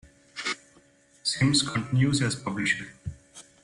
Sims continues as publisher.